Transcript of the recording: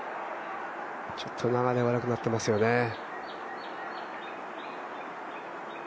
ちょっと流れ悪くなっていますよね。